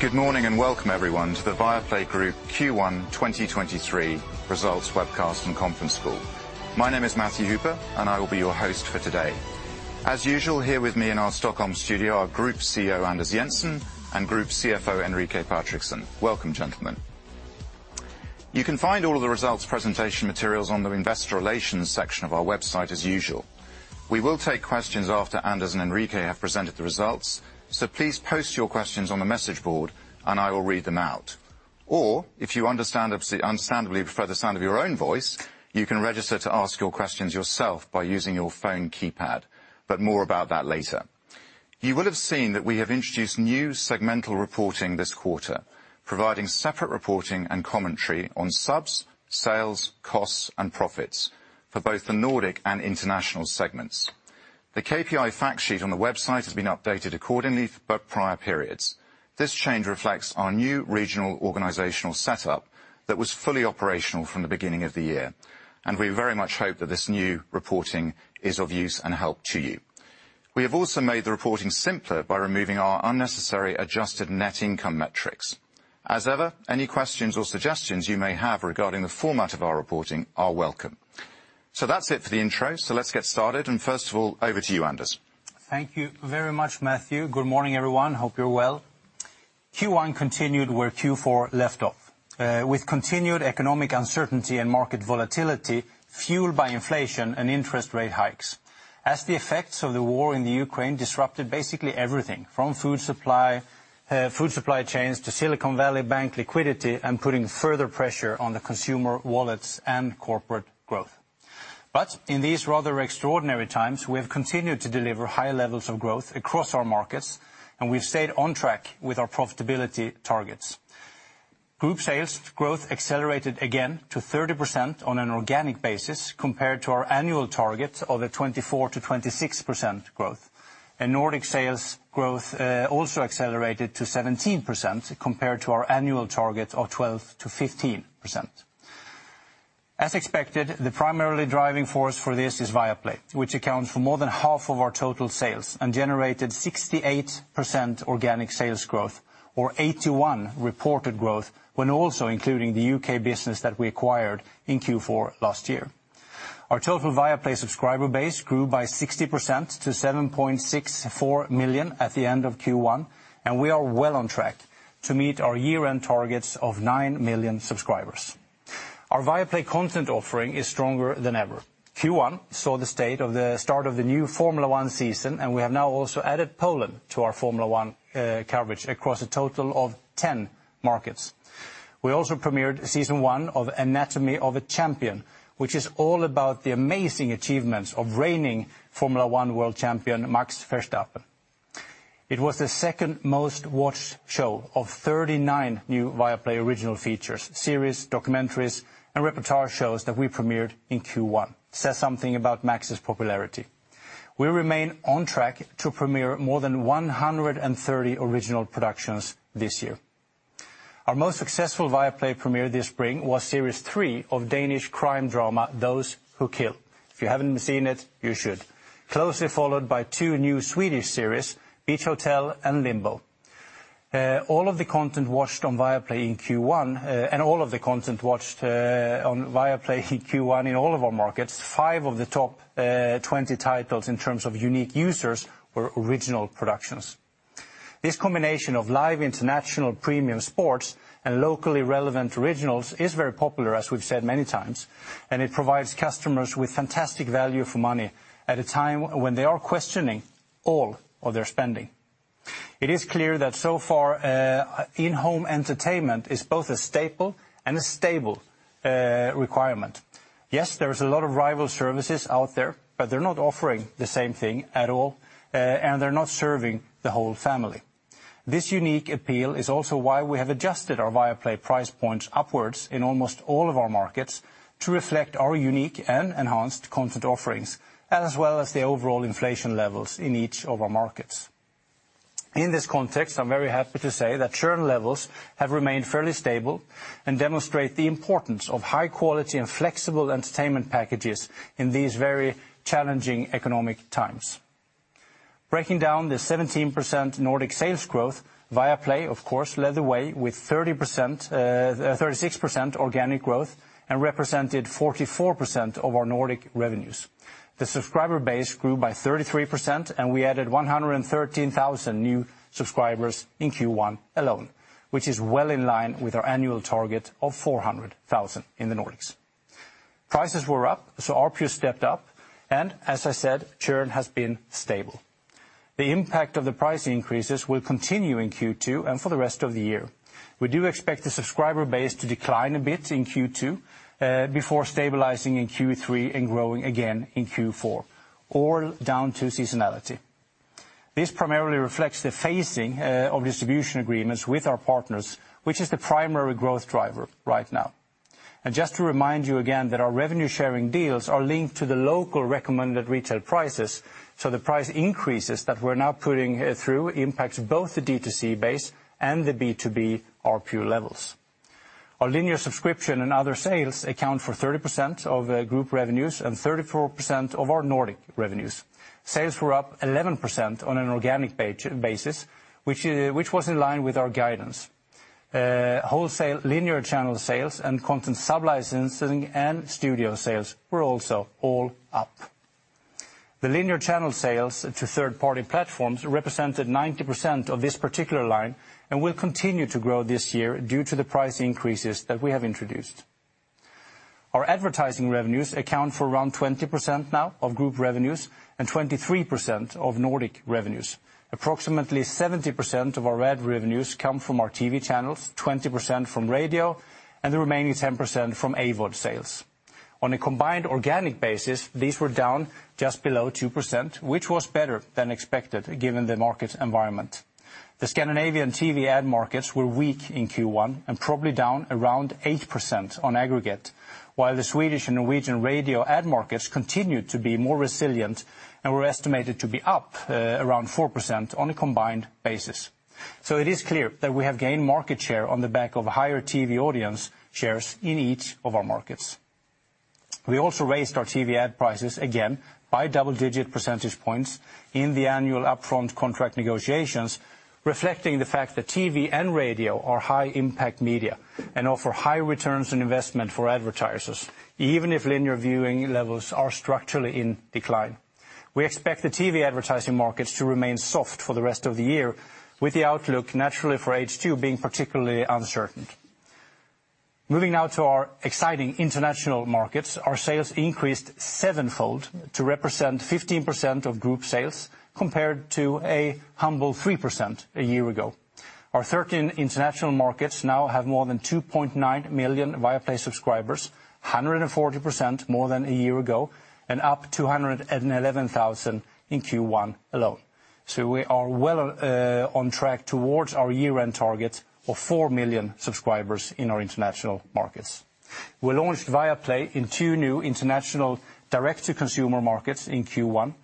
Good morning, welcome everyone to the Viaplay Group Q1 2023 Results Webcast and Conference Call. My name is Matthew Hooper, and I will be your host for today. As usual, here with me in our Stockholm studio are Group CEO, Anders Jensen, and Group CFO, Enrique Patrickson. Welcome, gentlemen. You can find all of the results presentation materials on the Investor Relations section of our website as usual. We will take questions after Anders and Enrique have presented the results, so please post your questions on the message board, and I will read them out. Or if you understandably prefer the sound of your own voice, you can register to ask your questions yourself by using your phone keypad, but more about that later. You will have seen that we have introduced new segmental reporting this quarter, providing separate reporting and commentary on subs, sales, costs, and profits for both the Nordic and International segments. The KPI fact sheet on the website has been updated accordingly for both prior periods. This change reflects our new regional organizational setup that was fully operational from the beginning of the year, and we very much hope that this new reporting is of use and help to you. We have also made the reporting simpler by removing our unnecessary adjusted net income metrics. As ever, any questions or suggestions you may have regarding the format of our reporting are welcome. That's it for the intro, so let's get started. First of all, over to you, Anders. Thank you very much, Matthew. Good morning, everyone. Hope you're well. Q1 continued where Q4 left off with continued economic uncertainty and market volatility fueled by inflation and interest rate hikes. The effects of the war in Ukraine disrupted basically everything from food supply, food supply chains to Silicon Valley Bank liquidity and putting further pressure on the consumer wallets and corporate growth. In these rather extraordinary times, we have continued to deliver high levels of growth across our markets, and we've stayed on track with our profitability targets. Group sales growth accelerated again to 30% on an organic basis compared to our annual target of a 24%-26% growth. Nordic sales growth also accelerated to 17% compared to our annual target of 12%-15%. As expected, the primarily driving force for this is Viaplay, which accounts for more than half of our total sales and generated 68% organic sales growth or 81% reported growth when also including the U.K. business that we acquired in Q4 last year. Our total Viaplay subscriber base grew by 60% to 7.64 million at the end of Q1. We are well on track to meet our year-end targets of nine million subscribers. Our Viaplay content offering is stronger than ever. Q1 saw the start of the new Formula One season. We have now also added Poland to our Formula One coverage across a total of 10 markets. We also premiered Season 1 of Anatomy of a Champion, which is all about the amazing achievements of reigning Formula One world champion, Max Verstappen. It was the second most-watched show of 39 new Viaplay original features, series, documentaries, and repertoire shows that we premiered in Q1. Says something about Max's popularity. We remain on track to premiere more than 130 original productions this year. Our most successful Viaplay premiere this spring was series 3 of Danish crime drama, Those Who Kill. If you haven't seen it, you should. Closely followed by two new Swedish series, Beach Hotel and Limbo. All of the content watched on Viaplay in Q1, and all of the content watched on Viaplay in Q1 in all of our markets, five of the top 20 titles in terms of unique users were original productions. This combination of live international premium sports and locally relevant originals is very popular, as we've said many times, and it provides customers with fantastic value for money at a time when they are questioning all of their spending. It is clear that so far, in-home entertainment is both a staple and a stable requirement. Yes, there is a lot of rival services out there, but they're not offering the same thing at all, and they're not serving the whole family. This unique appeal is also why we have adjusted our Viaplay price points upwards in almost all of our markets to reflect our unique and enhanced content offerings, as well as the overall inflation levels in each of our markets. In this context, I'm very happy to say that churn levels have remained fairly stable and demonstrate the importance of high quality and flexible entertainment packages in these very challenging economic times. Breaking down the 17% Nordic sales growth, Viaplay, of course, led the way with 30%, 36% organic growth and represented 44% of our Nordic revenues. The subscriber base grew by 33%, and we added 113,000 new subscribers in Q1 alone, which is well in line with our annual target of 400,000 in the Nordics. Prices were up, so RPU stepped up, and as I said, churn has been stable. The impact of the price increases will continue in Q2 and for the rest of the year. We do expect the subscriber base to decline a bit in Q2, before stabilizing in Q3 and growing again in Q4, all down to seasonality. This primarily reflects the phasing of distribution agreements with our partners, which is the primary growth driver right now. Just to remind you again that our revenue-sharing deals are linked to the local recommended retail prices, the price increases that we're now putting through impacts both the D2C base and the B2B RPU levels. Our linear subscription and other sales account for 30% of group revenues and 34% of our Nordic revenues. Sales were up 11% on an organic basis, which was in line with our guidance. Wholesale linear channel sales and content sub-licensing and studio sales were also all up. The linear channel sales to third-party platforms represented 90% of this particular line and will continue to grow this year due to the price increases that we have introduced. Our advertising revenues account for around 20% now of group revenues and 23% of Nordic revenues. Approximately 70% of our ad revenues come from our TV channels, 20% from radio, and the remaining 10% from AVOD sales. On a combined organic basis, these were down just below 2%, which was better than expected given the market environment. The Scandinavian TV ad markets were weak in Q1 and probably down around 8% on aggregate, while the Swedish and Norwegian radio ad markets continued to be more resilient and were estimated to be up around 4% on a combined basis. It is clear that we have gained market share on the back of higher TV audience shares in each of our markets. We also raised our TV ad prices again by double-digit percentage points in the annual upfront contract negotiations, reflecting the fact that TV and radio are high-impact media and offer high returns on investment for advertisers, even if linear viewing levels are structurally in decline. We expect the TV advertising markets to remain soft for the rest of the year, with the outlook naturally for H2 being particularly uncertain. Moving now to our exciting international markets, our sales increased sevenfold to represent 15% of group sales compared to a humble 3% a year ago. Our 13 international markets now have more than 2.9 million Viaplay subscribers, 140% more than a year ago, and up to 111,000 in Q1 alone. We are well on track towards our year-end target of four million subscribers in our international markets. We launched Viaplay in two new international direct-to-consumer markets in Q1.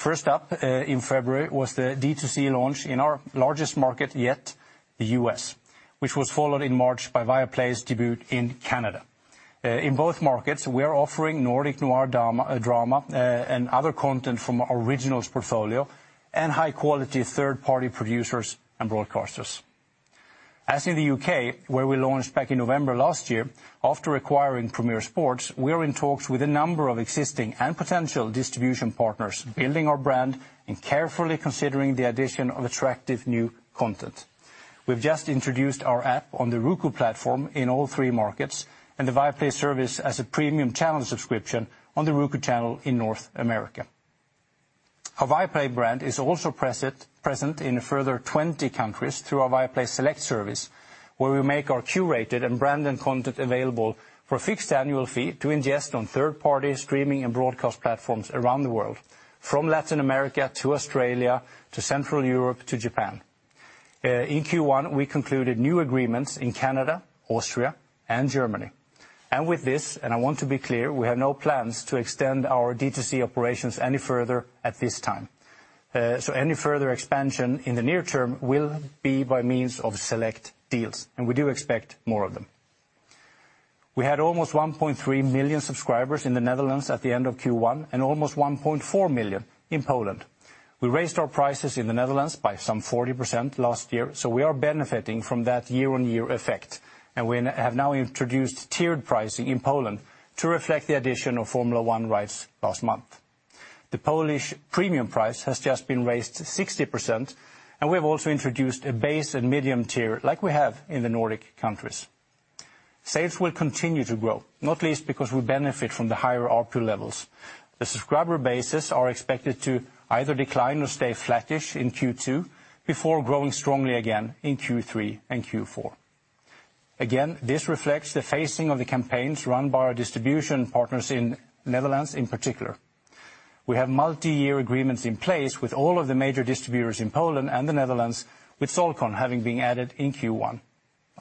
First up, in February was the D2C launch in our largest market yet, the U.S., which was followed in March by Viaplay's debut in Canada. In both markets, we are offering Nordic noir drama and other content from our originals portfolio and high-quality third-party producers and broadcasters. As in the U.K., where we launched back in November last year, after acquiring Premier Sports, we are in talks with a number of existing and potential distribution partners, building our brand and carefully considering the addition of attractive new content. We've just introduced our app on the Roku platform in all three markets, and the Viaplay service as a premium channel subscription on the Roku Channel in North America. Our Viaplay brand is also present in a further 20 countries through our Viaplay Select service, where we make our curated and branded content available for a fixed annual fee to ingest on third-party streaming and broadcast platforms around the world, from Latin America to Australia to Central Europe to Japan. In Q1, we concluded new agreements in Canada, Austria, and Germany. With this, and I want to be clear, we have no plans to extend our D2C operations any further at this time. Any further expansion in the near term will be by means of select deals, and we do expect more of them. We had almost 1.3 million subscribers in the Netherlands at the end of Q1 and almost 1.4 million in Poland. We raised our prices in the Netherlands by some 40% last year, so we are benefiting from that year-on-year effect, and we have now introduced tiered pricing in Poland to reflect the addition of Formula One rights last month. The Polish premium price has just been raised 60%, and we have also introduced a base and medium tier like we have in the Nordic countries. Sales will continue to grow, not least because we benefit from the higher ARPU levels. The subscriber bases are expected to either decline or stay flattish in Q2 before growing strongly again in Q3 and Q4. This reflects the phasing of the campaigns run by our distribution partners in Netherlands in particular. We have multi-year agreements in place with all of the major distributors in Poland and the Netherlands, with Solcon having been added in Q1.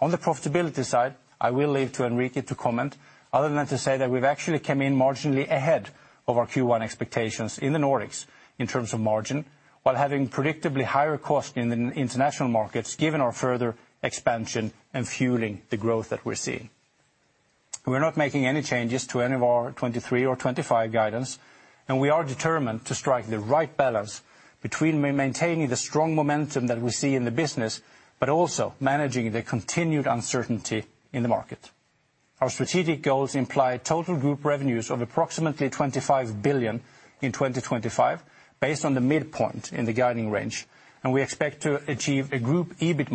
On the profitability side, I will leave to Enrique to comment, other than to say that we've actually come in marginally ahead of our Q1 expectations in the Nordics in terms of margin, while having predictably higher cost in the international markets given our further expansion and fueling the growth that we're seeing. We're not making any changes to any of our 2023 or 2025 guidance. We are determined to strike the right balance between maintaining the strong momentum that we see in the business, but also managing the continued uncertainty in the market. Our strategic goals imply total group revenues of approximately 25 billion in 2025 based on the midpoint in the guiding range. We expect to achieve a group EBIT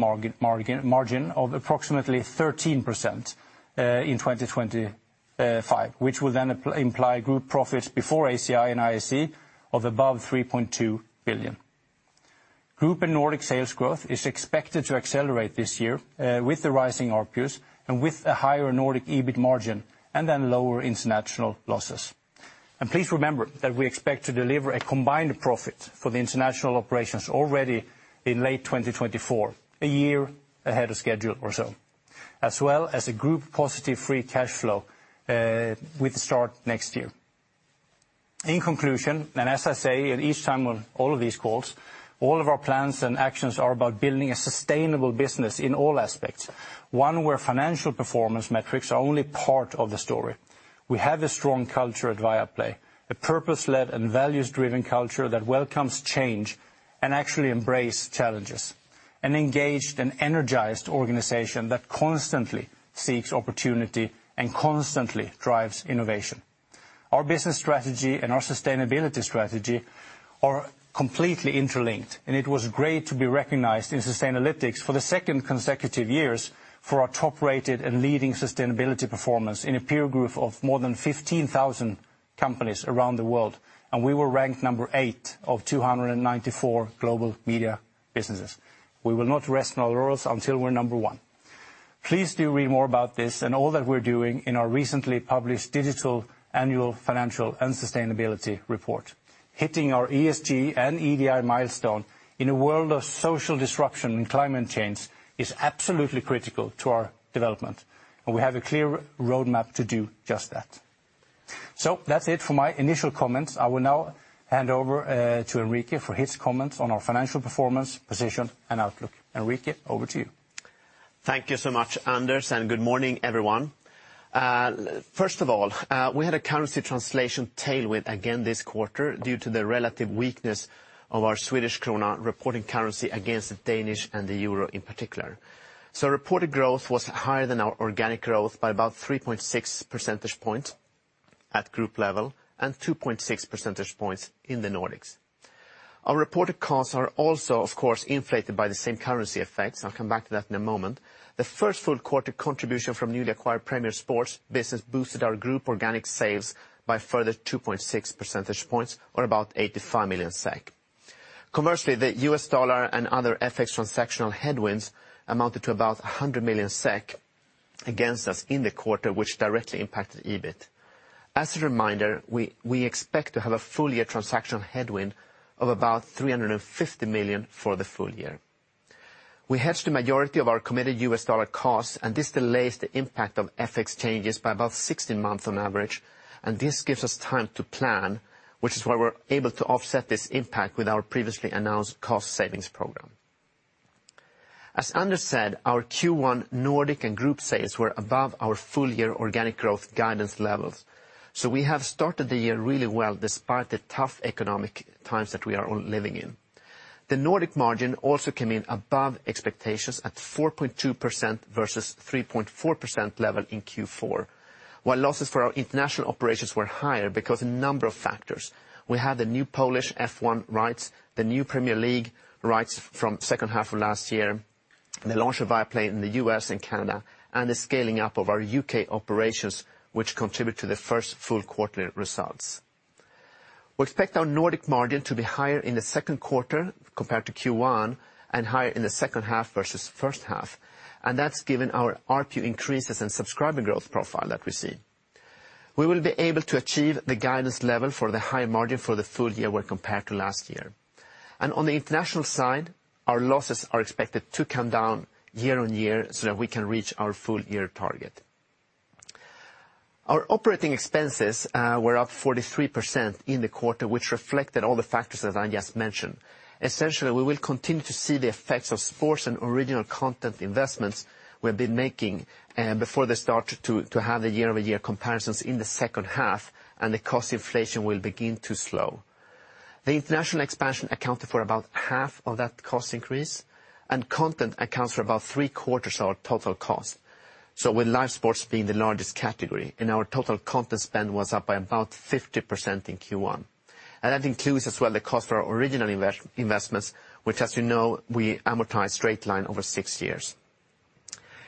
margin of approximately 13% in 2025, which will then imply group profits before ACI and ISE of above 3.2 billion. Group and Nordic sales growth is expected to accelerate this year with the rising ARPUs and with a higher Nordic EBIT margin and then lower international losses. Please remember that we expect to deliver a combined profit for the international operations already in late 2024, a year ahead of schedule or so, as well as a group positive free cash flow with the start next year. In conclusion, as I say at each time on all of these calls, all of our plans and actions are about building a sustainable business in all aspects, one where financial performance metrics are only part of the story. We have a strong culture at Viaplay, a purpose-led and values-driven culture that welcomes change and actually embrace challenges, an engaged and energized organization that constantly seeks opportunity and constantly drives innovation. Our business strategy and our sustainability strategy are completely interlinked. It was great to be recognized in Sustainalytics for the second consecutive years for our top-rated and leading sustainability performance in a peer group of more than 15,000 companies around the world. We were ranked eigth of 294 global media businesses. We will not rest on our laurels until we're number one. Please do read more about this and all that we're doing in our recently published digital annual financial and sustainability report. Hitting our ESG and EDI milestone in a world of social disruption and climate change is absolutely critical to our development. We have a clear roadmap to do just that. That's it for my initial comments. I will now hand over to Enrique for his comments on our financial performance, position and outlook. Enrique, over to you. Thank you so much, Anders, and good morning, everyone. First of all, we had a currency translation tailwind again this quarter due to the relative weakness of our Swedish krona reporting currency against the Danish and the euro in particular. Reported growth was higher than our organic growth by about 3.6 percentage points at group level and 2.6 percentage points in the Nordics. Our reported costs are also of course inflated by the same currency effects. I'll come back to that in a moment. The first full quarter contribution from newly acquired Premier Sports business boosted our group organic sales by a further 2.6 percentage points or about 85 million SEK. Commercially, the US dollar and other FX transactional headwinds amounted to about 100 million SEK against us in the quarter, which directly impacted EBIT. As a reminder, we expect to have a full-year transactional headwind of about 350 million for the full year. We hedged the majority of our committed US dollar costs, This delays the impact of FX changes by about 16 months on average. This gives us time to plan, which is why we're able to offset this impact with our previously announced cost savings program. As Anders said, our Q1 Nordic and group sales were above our full-year organic growth guidance levels. We have started the year really well despite the tough economic times that we are all living in. The Nordic margin also came in above expectations at 4.2% versus 3.4% level in Q4. While losses for our international operations were higher because a number of factors. We have the new Polish F1 rights, the new Premier League rights from second half of last year, the launch of Viaplay in the U.S. and Canada, and the scaling up of our U.K. operations, which contribute to the first full quarterly results. We expect our Nordic margin to be higher in the second quarter compared to Q1 and higher in the second half versus first half, and that's given our ARPU increases and subscriber growth profile that we see. We will be able to achieve the guidance level for the high margin for the full year when compared to last year. On the international side, our losses are expected to come down year-on-year so that we can reach our full-year target. Our operating expenses were up 43% in the quarter, which reflected all the factors that I just mentioned. Essentially, we will continue to see the effects of sports and original content investments we've been making, before they start to have the year-over-year comparisons in the second half and the cost inflation will begin to slow. The international expansion accounted for about half of that cost increase, and content accounts for about three-quarters of our total cost. With live sports being the largest category, our total content spend was up by about 50% in Q1. That includes as well the cost of our original investments, which as you know, we amortize straight line over six years.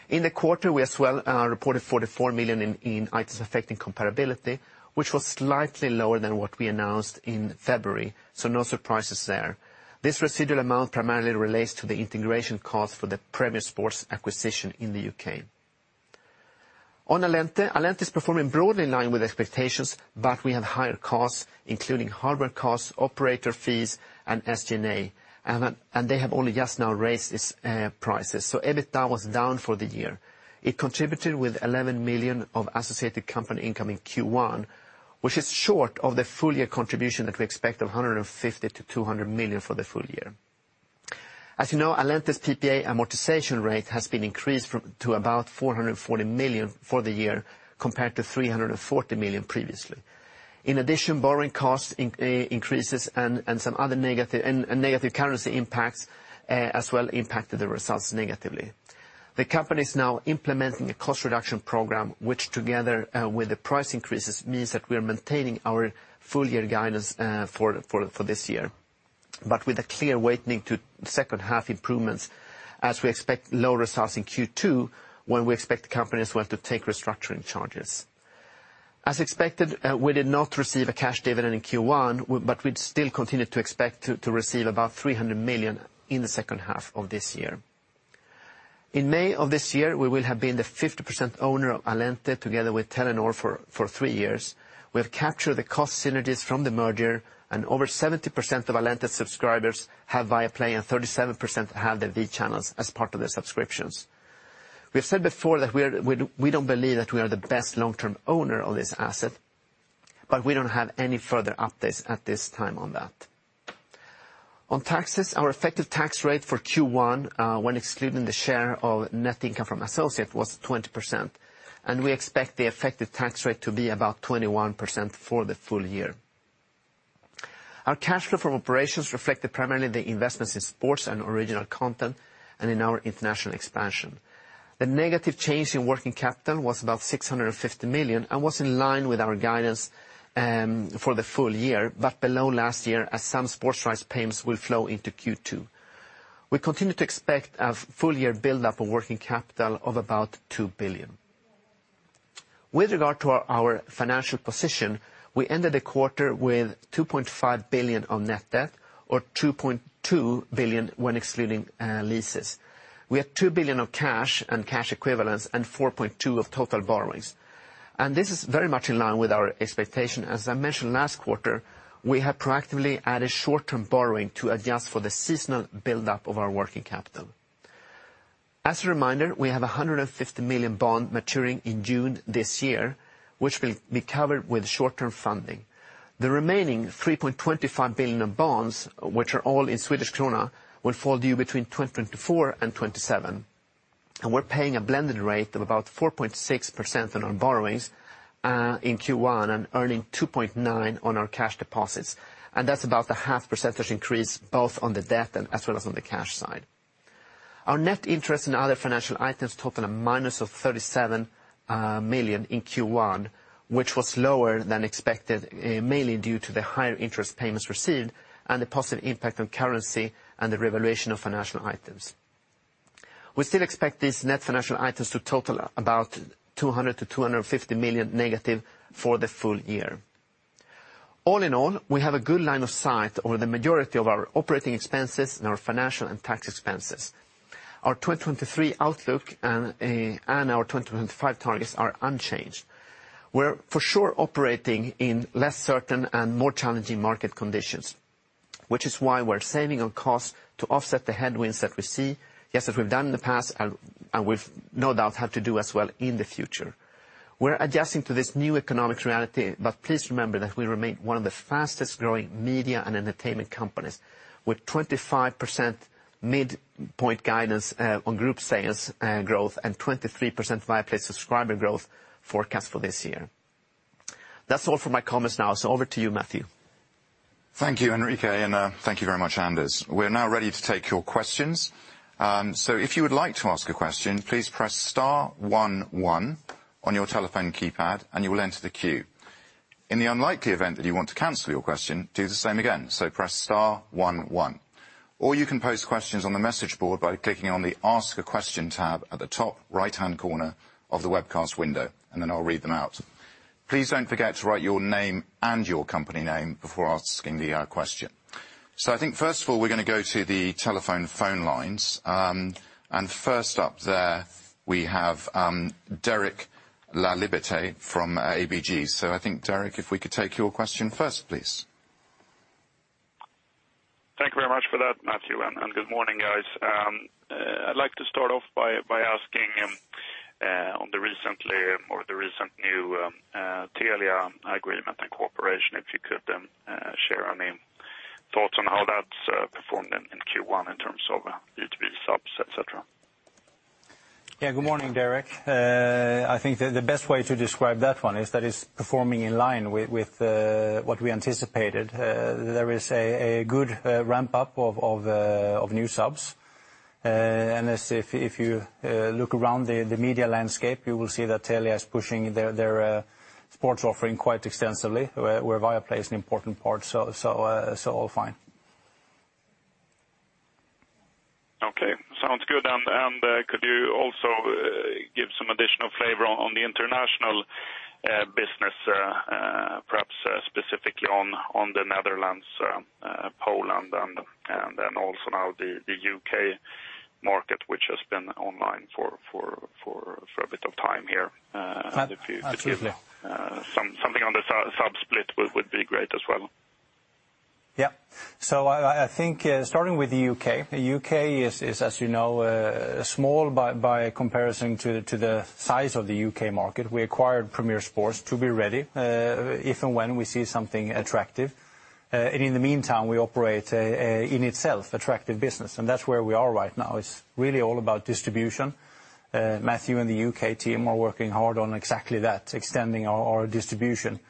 In the quarter, we as well reported 44 million in Items Affecting Comparability, which was slightly lower than what we announced in February, so no surprises there. This residual amount primarily relates to the integration cost for the Premier Sports acquisition in the U.K.. Allente is performing broadly in line with expectations, but we have higher costs, including hardware costs, operator fees, and SG&A, and they have only just now raised its prices. EBITDA was down for the year. It contributed with 11 million of associated company income in Q1, which is short of the full-year contribution that we expect of 150 million-200 million for the full year. As you know, Allente's PPA amortization rate has been increased to about 440 million for the year compared to 340 million previously. In addition, borrowing costs increases and some other negative and negative currency impacts as well impacted the results negatively. The company is now implementing a cost reduction program, which together with the price increases means that we are maintaining our full-year guidance for this year. With a clear weighting to second half improvements as we expect lower results in Q2 when we expect the companies will have to take restructuring charges. As expected, we did not receive a cash dividend in Q1, but we still continue to expect to receive about 300 million in the second half of this year. In May of this year, we will have been the 50% owner of Allente together with Telenor for three years. We have captured the cost synergies from the merger, and over 70% of Allente subscribers have Viaplay, and 37% have the V channels as part of their subscriptions. We've said before that we don't believe that we are the best long-term owner of this asset, but we don't have any further updates at this time on that. On taxes, our effective tax rate for Q1, when excluding the share of net income from associate, was 20%, and we expect the effective tax rate to be about 21% for the full year. Our cash flow from operations reflected primarily the investments in sports and original content, and in our international expansion. The negative change in working capital was about 650 million, was in line with our guidance for the full year, but below last year as some sports rights payments will flow into Q2. We continue to expect a full year buildup of working capital of about 2 billion. With regard to our financial position, we ended the quarter with 2.5 billion on net debt, or 2.2 billion when excluding leases. We had 2 billion of cash and cash equivalents, 4.2 billion of total borrowings, this is very much in line with our expectation. As I mentioned last quarter, we have proactively added short-term borrowing to adjust for the seasonal buildup of our working capital. As a reminder, we have a 150 million bond maturing in June this year, which will be covered with short-term funding. The remaining 3.25 billion of bonds, which are all in Swedish krona, will fall due between 2024 and 2027, and we're paying a blended rate of about 4.6% on our borrowings in Q1, and earning 2.9% on our cash deposits. That's about a half percentage increase both on the debt and as well as on the cash side. Our net interest and other financial items total a minus of 37 million in Q1, which was lower than expected, mainly due to the higher interest payments received and the positive impact on currency and the revaluation of financial items. We still expect these net financial items to total about 200 million-250 million negative for the full year. All in all, we have a good line of sight over the majority of our operating expenses and our financial and tax expenses. Our 2023 outlook and our 2025 targets are unchanged. We're for sure operating in less certain and more challenging market conditions, which is why we're saving on costs to offset the headwinds that we see, just as we've done in the past and we've no doubt have to do as well in the future. Please remember that we remain one of the fastest-growing media and entertainment companies, with 25% midpoint guidance on group sales growth, and 23% Viaplay subscriber growth forecast for this year. That's all for my comments now, so over to you, Matthew. Thank you, Enrique, thank you very much, Anders. We're now ready to take your questions. If you would like to ask a question, please press star one one on your telephone keypad and you will enter the queue. In the unlikely event that you want to cancel your question, do the same again, press star one one. You can pose questions on the message board by clicking on the Ask a Question tab at the top right-hand corner of the webcast window, I'll read them out. Please don't forget to write your name and your company name before asking the question. I think, first of all, we're gonna go to the telephone lines, first up there we have Derek Laliberté from ABG. I think, Derek, if we could take your question first, please. Thank you very much for that, Matthew. Good morning, guys. I'd like to start off by asking on the recent new Telia Agreement and cooperation, if you could share any thoughts on how that's performed in Q1 in terms of B2B subs, et cetera. Yeah. Good morning, Derek. I think the best way to describe that one is that it's performing in line with what we anticipated. There is a good ramp-up of new subs, and as if you look around the media landscape, you will see that Telia is pushing their sports offering quite extensively, where Viaplay is an important part. All fine. Okay. Sounds good. Could you also give some additional flavor on the international business, perhaps specifically on the Netherlands, Poland, and also now the U.K. market, which has been online for a bit of time here. Absolutely. And if you could give something on the sub split would be great as well. I think, starting with the U.K., the U.K. is, as you know, small by comparison to the size of the U.K. market. We acquired Premier Sports to be ready if and when we see something attractive. In the meantime, we operate a in itself attractive business, and that's where we are right now. It's really all about distribution. Matthew and the U.K. team are working hard on exactly that, extending our distribution.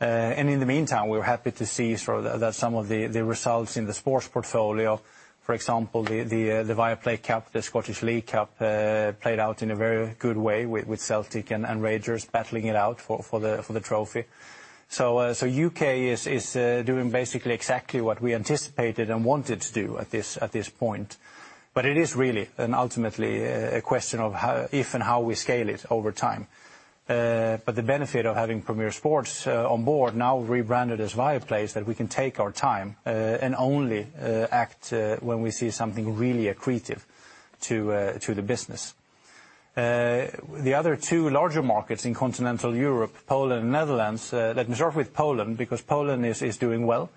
In the meantime, we're happy to see sort of that some of the results in the sports portfolio, for example, the Viaplay Cup, the Scottish League Cup, played out in a very good way with Celtic and Rangers battling it out for the trophy. U.K. is doing basically exactly what we anticipated and wanted to do at this point, but it is really and ultimately a question of how if and how we scale it over time. But the benefit of having Premier Sports on board, now rebranded as Viaplay, is that we can take our time and only act when we see something really accretive to the business. The other two larger markets in continental Europe, Poland and Netherlands, let me start with Poland, because Poland is doing well.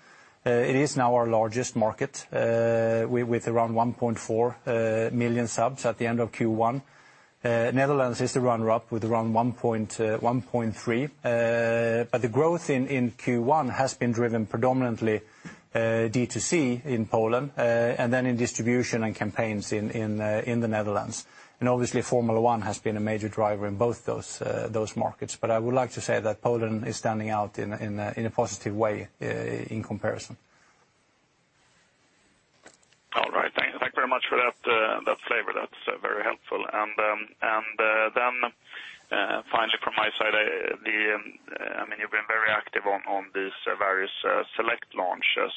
It is now our largest market, with around 1.4 million subs at the end of Q1. Netherlands is the runner-up with around 1.3. The growth in Q1 has been driven predominantly D2C in Poland, and then in distribution and campaigns in the Netherlands. Obviously Formula One has been a major driver in both those markets. I would like to say that Poland is standing out in a positive way in comparison. All right. Thank very much for that flavor. That's very helpful. Finally from my side, I mean, you've been very active on these various, Select launches.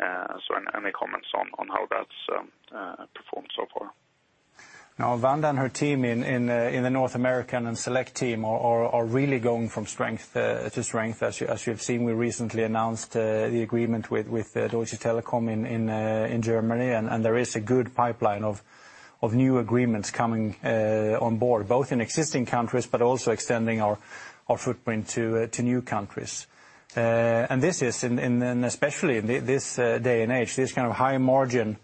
Any comments on how that's performed so far? Vanda and her team in the North American and Select team are really going from strength to strength. As you have seen, we recently announced the agreement with Deutsche Telekom in Germany. There is a good pipeline of new agreements coming on board, both in existing countries, but also extending our footprint to new countries. This is especially in this day and age, this kind of high margin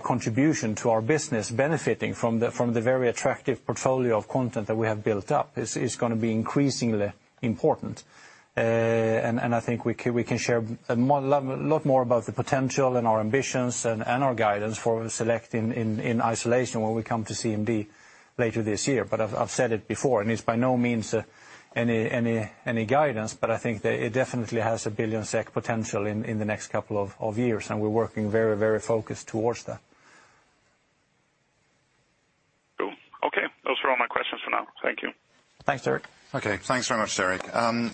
contribution to our business benefiting from the very attractive portfolio of content that we have built up is gonna be increasingly important. I think we can share a lot more about the potential and our ambitions and our guidance for Select in isolation when we come to CMD later this year. I've said it before, and it's by no means any guidance, but I think that it definitely has a 1 billion SEK potential in the next couple of years, and we're working very focused towards that. Cool. Okay, those are all my questions for now. Thank you. Thanks, Derek. Okay, thanks very much, Derek.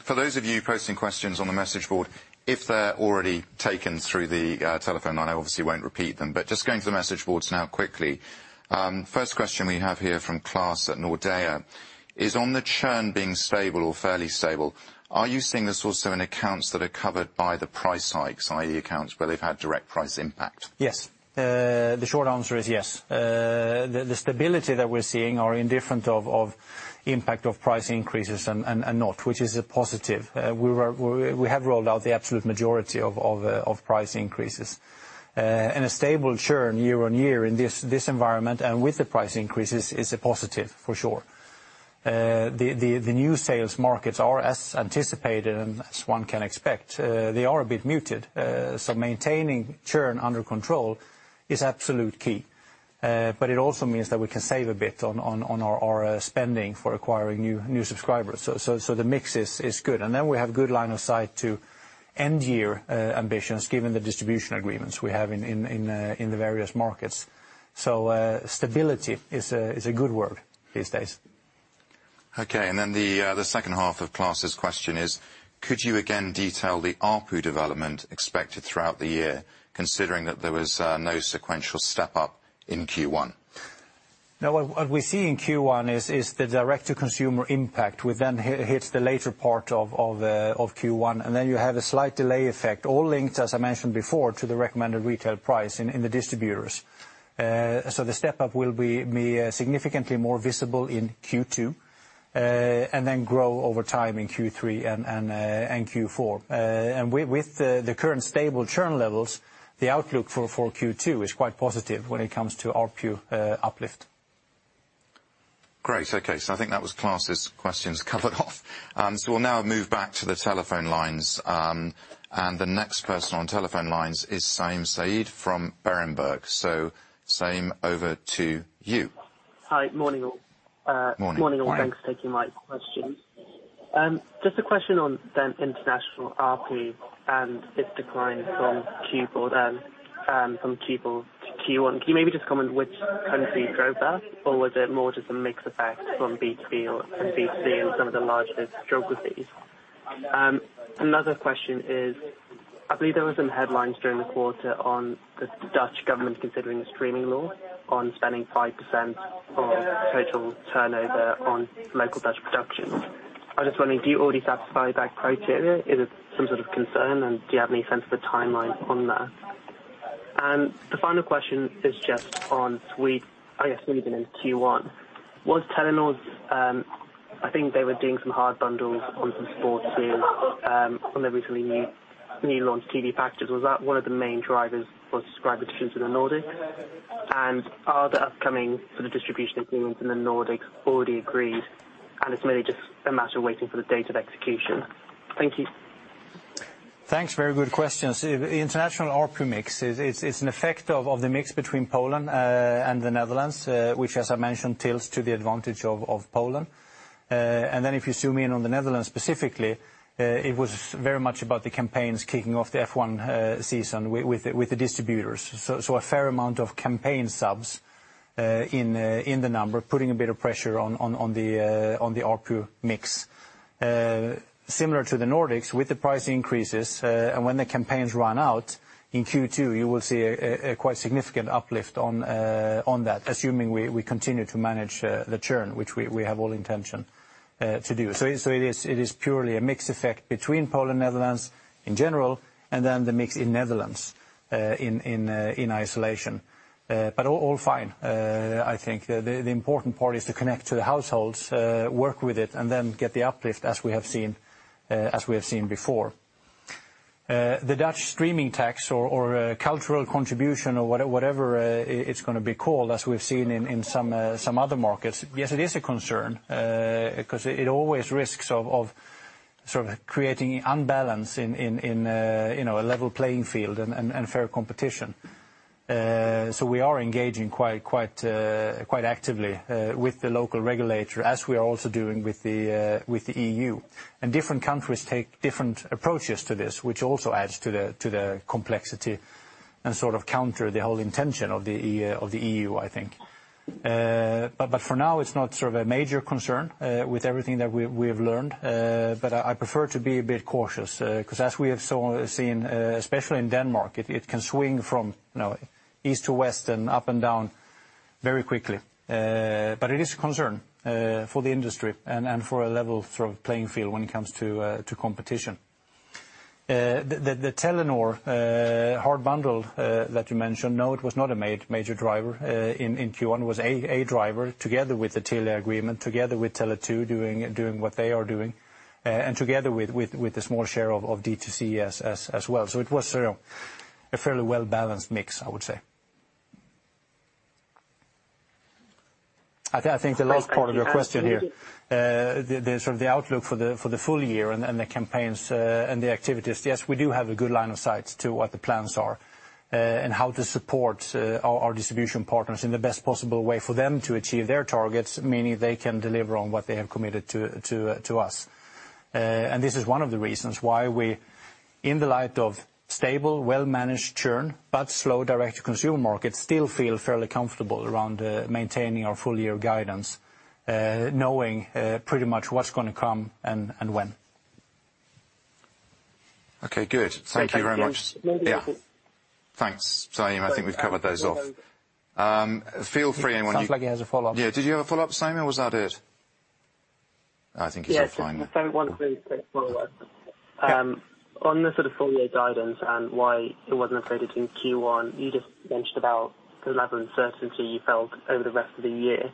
For those of you posting questions on the message board, if they're already taken through the telephone, I obviously won't repeat them. Just going to the message boards now quickly, first question we have here from Klas at Nordea is on the churn being stable or fairly stable. Are you seeing this also in accounts that are covered by the price hikes, i.e. accounts where they've had direct price impact? Yes. The short answer is yes. The stability that we're seeing are indifferent of impact of price increases and are not, which is a positive. We have rolled out the absolute majority of price increases. A stable churn year on year in this environment and with the price increases is a positive for sure. The new sales markets are as anticipated and as one can expect, they are a bit muted. Maintaining churn under control is absolute key. It also means that we can save a bit on our spending for acquiring new subscribers. The mix is good. We have good line of sight to end year ambitions given the distribution agreements we have in the various markets. Stability is a good word these days. Okay. The second half of Klas' question is could you again detail the ARPU development expected throughout the year, considering that there was no sequential step up in Q1? What we see in Q1 is the direct to consumer impact. We hit the later part of Q1, and then you have a slight delay effect, all linked, as I mentioned before, to the recommended retail price in the distributors. The step up will be significantly more visible in Q2, and then grow over time in Q3 and Q4. With the current stable churn levels, the outlook for Q2 is quite positive when it comes to ARPU uplift. Great. Okay. I think that was Klas' questions covered off. We'll now move back to the telephone lines. The next person on telephone lines is Saim Saeed from Berenberg. Saim, over to you. Hi. Morning all. Morning. Morning all. Thanks for taking my questions. Just a question on Viaplay international ARPU and its decline from Q4 to Q1. Can you maybe just comment which country drove that? Was it more just a mix effect from B2B or B2C and some of the larger geographies? Another question is, I believe there were some headlines during the quarter on the Dutch government considering a streaming law on spending 5% of total turnover on local Dutch productions. I'm just wondering, do you already satisfy that criteria? Is it some sort of concern, do you have any sense of a timeline on that? The final question is just on I guess maybe been in Q1. Was Telenor's, I think they were doing some hard bundles on some sports too, on the recently newly launched TV packages. Was that one of the main drivers for subscriber additions to the Nordics? Are the upcoming distribution agreements in the Nordics already agreed, and it's merely just a matter of waiting for the date of execution? Thank you. Thanks. Very good questions. The international ARPU mix, it's an effect of the mix between Poland and the Netherlands, which as I mentioned, tilts to the advantage of Poland. If you zoom in on the Netherlands specifically, it was very much about the campaigns kicking off the F1 season with the distributors. A fair amount of campaign subs in the number, putting a bit of pressure on the ARPU mix. Similar to the Nordics, with the price increases, when the campaigns run out in Q2, you will see a quite significant uplift on that, assuming we continue to manage the churn, which we have all intention to do. It is purely a mix effect between Poland, Netherlands in general, and then the mix in Netherlands, in isolation. All fine. I think the important part is to connect to the households, work with it, and then get the uplift as we have seen before. The Dutch streaming tax or cultural contribution or whatever it's gonna be called, as we've seen in some other markets, yes, it is a concern, 'cause it always risks of creating imbalance in, you know, a level playing field and fair competition. We are engaging quite actively with the local regulator, as we are also doing with the EU. Different countries take different approaches to this, which also adds to the complexity and sort of counter the whole intention of the EU, I think. For now, it's not sort of a major concern with everything that we have learned. I prefer to be a bit cautious 'cause as we have seen, especially in Denmark, it can swing from, you know, east to west and up and down very quickly. It is a concern for the industry and for a level sort of playing field when it comes to competition. The Telenor hard bundle that you mentioned, no, it was not a major driver in Q1. It was a driver together with the Telia agreement, together with Tele2 doing what they are doing, and together with the small share of D2C as well. It was sort of a fairly well-balanced mix, I would say. I think the last part of your question here, the sort of the outlook for the full year and the campaigns and the activities, yes, we do have a good line of sight to what the plans are and how to support our distribution partners in the best possible way for them to achieve their targets, meaning they can deliver on what they have committed to us. This is one of the reasons why we, in the light of stable, well-managed churn, but slow direct to consumer markets, still feel fairly comfortable around maintaining our full year guidance, knowing pretty much what's gonna come and when. Okay, good. Thank you very much. Thank you. Yeah. Thanks, Saim. I think we've covered those off. Feel free when you. Sounds like he has a follow-up. Yeah. Did you have a follow-up, Saim, or was that it? I think he's all fine. Yes. One quick follow-up. On the sort of full year guidance and why it wasn't affected in Q1, you just mentioned about the level of certainty you felt over the rest of the year.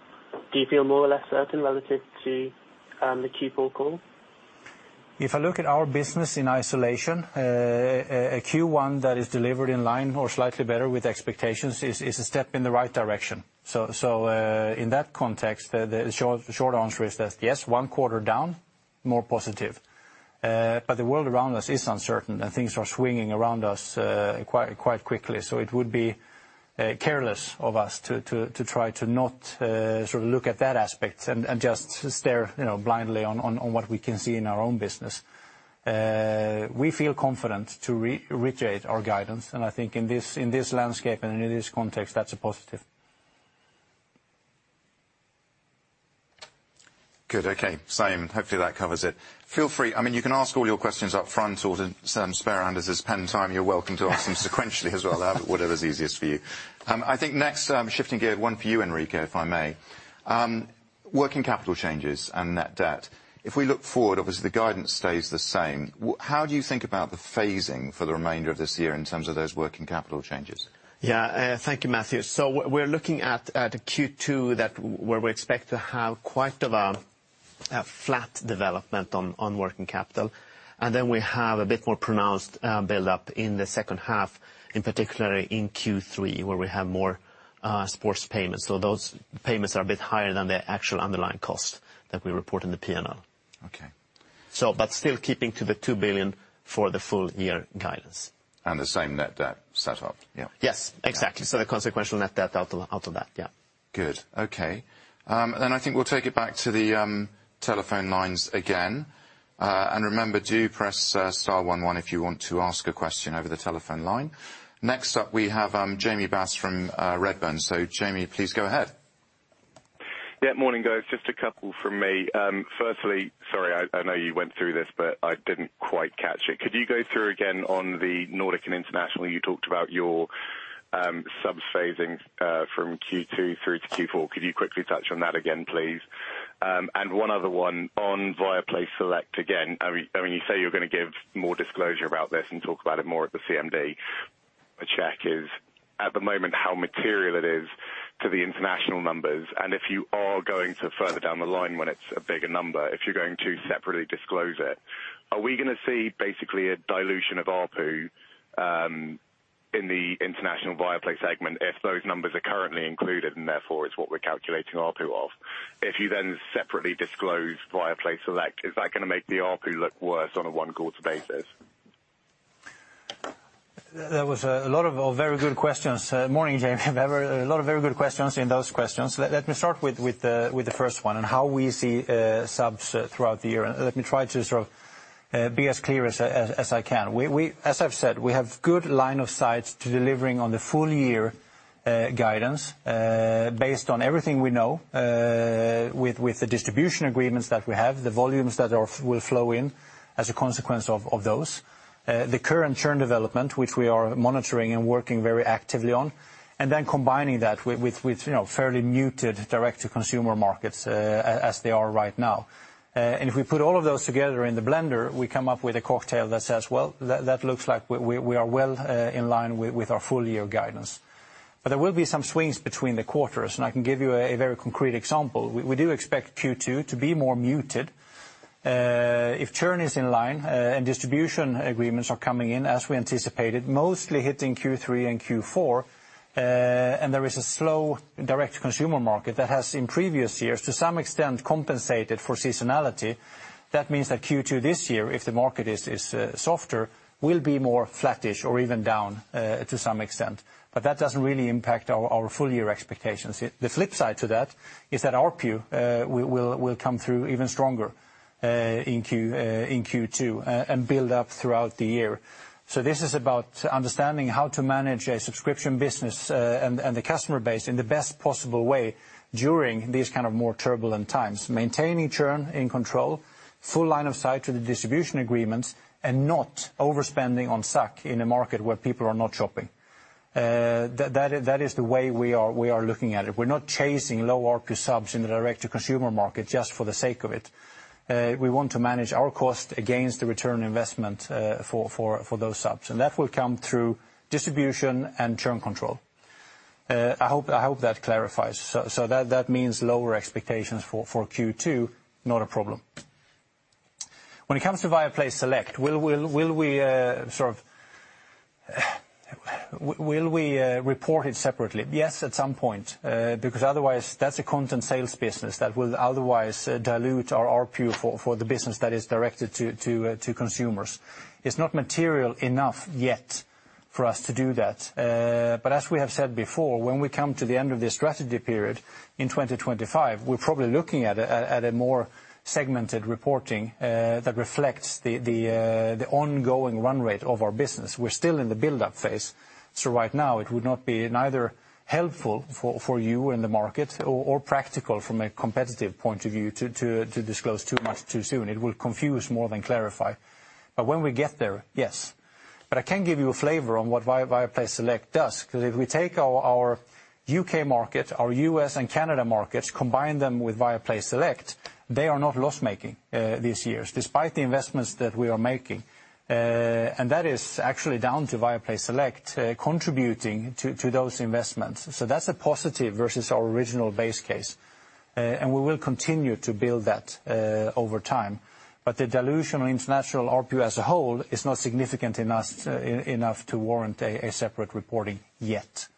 Do you feel more or less certain relative to the Q4 call? If I look at our business in isolation, a Q1 that is delivered in line or slightly better with expectations is a step in the right direction. In that context, the short answer is that, yes, one quarter down, more positive. The world around us is uncertain, and things are swinging around us, quite quickly. It would be careless of us to try to not, sort of look at that aspect and just stare, you know, blindly on what we can see in our own business. We feel confident to reiterate our guidance, and I think in this, in this landscape and in this context, that's a positive. Good. Okay. Saim, hopefully that covers it. Feel free, I mean, you can ask all your questions up front or to some spare rounds as pen time. You're welcome to ask them sequentially as well. Whatever's easiest for you. I think next, shifting gear, one for you, Enrique, if I may. Working capital changes and net debt. If we look forward, obviously, the guidance stays the same. How do you think about the phasing for the remainder of this year in terms of those working capital changes? Yeah. Thank you, Matthew. We're looking at a Q2 that where we expect to have quite of a flat development on working capital. We have a bit more pronounced buildup in the second half, in particular in Q3, where we have more sports payments. Those payments are a bit higher than the actual underlying cost that we report in the P&L. Okay. Still keeping to the 2 billion for the full year guidance. The same net debt set up, yeah. Yes, exactly. The consequential net debt out of that, yeah. Good. Okay. I think we'll take it back to the telephone lines again. Remember, do press star one one if you want to ask a question over the telephone line. Next up, we have Jamie Bass from Redburn. Jamie, please go ahead. Yeah. Morning, guys. Just a couple from me. Firstly, sorry, I know you went through this, but I didn't quite catch it. Could you go through again on the Nordic and international? You talked about your sub-phasings from Q2 through to Q4. Could you quickly touch on that again, please? One other one on Viaplay Select again. You say you're gonna give more disclosure about this and talk about it more at the CMD. A check is, at the moment, how material it is to the international numbers, and if you are going to further down the line when it's a bigger number, if you're going to separately disclose it, are we gonna see basically a dilution of ARPU in the international Viaplay segment if those numbers are currently included, and therefore it's what we're calculating ARPU of? If you then separately disclose Viaplay Select, is that gonna make the ARPU look worse on a one quarter basis? That was a lot of very good questions. Morning, Jamie. A lot of very good questions in those questions. Let me start with the first one and how we see subs throughout the year, let me try to sort of be as clear as I can. As I've said, we have good line of sight to delivering on the full year guidance based on everything we know with the distribution agreements that we have, the volumes that will flow in as a consequence of those. The current churn development, which we are monitoring and working very actively on, then combining that with, you know, fairly muted direct-to-consumer markets as they are right now. If we put all of those together in the blender, we come up with a cocktail that says, well, that looks like we are well in line with our full year guidance. There will be some swings between the quarters, and I can give you a very concrete example. We do expect Q2 to be more muted. If churn is in line and distribution agreements are coming in as we anticipated, mostly hitting Q3 and Q4, and there is a slow direct consumer market that has in previous years to some extent compensated for seasonality. That means that Q2 this year, if the market is softer, will be more flattish or even down to some extent. That doesn't really impact our full year expectations. The flip side to that is that ARPU will come through even stronger in Q2 and build up throughout the year. This is about understanding how to manage a subscription business and the customer base in the best possible way during these kind of more turbulent times, maintaining churn in control, full line of sight to the distribution agreements and not overspending on SAC in a market where people are not shopping. That is the way we are looking at it. We're not chasing low ARPU subs in the direct-to-consumer market just for the sake of it. We want to manage our cost against the return on investment for those subs, and that will come through distribution and churn control. I hope that clarifies. That means lower expectations for Q2, not a problem. When it comes to Viaplay Select, will we report it separately? Yes, at some point, because otherwise that's a content sales business that will otherwise dilute our ARPU for the business that is directed to consumers. It's not material enough yet for us to do that. As we have said before, when we come to the end of this strategy period in 2025, we're probably looking at a more segmented reporting that reflects the ongoing run rate of our business. We're still in the buildup phase. Right now it would not be neither helpful for you in the market or practical from a competitive point of view to disclose too much too soon. It will confuse more than clarify. When we get there, yes. I can give you a flavor on what Viaplay Select does, 'cause if we take our U.K. market, our U.S. and Canada markets, combine them with Viaplay Select, they are not loss-making these years, despite the investments that we are making. That is actually down to Viaplay Select contributing to those investments. That's a positive versus our original base case. We will continue to build that over time. The dilution on international ARPU as a whole is not significant enough to warrant a separate reporting yet.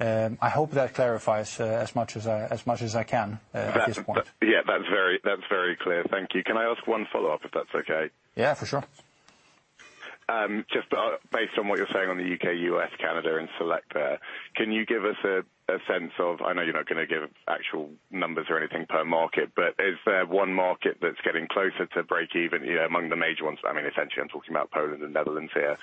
I hope that clarifies as much as I can at this point. That's very clear. Thank you. Can I ask one follow-up, if that's okay? Yeah, for sure. Just, based on what you're saying on the U.K., U.S., Canada and Select there, can you give us a sense of--I know you're not gonna give actual numbers or anything per market, but is there one market that's getting closer to break even, you know, among the major ones? I mean, essentially I'm talking about Poland and Netherlands here.